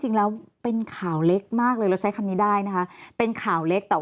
จริงแล้วเป็นข่าวเล็กมากเลยเราใช้คำนี้ได้นะคะเป็นข่าวเล็กแต่ว่า